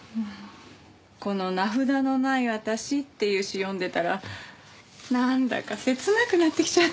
この『名札のないあたし』っていう詩読んでたらなんだか切なくなってきちゃって。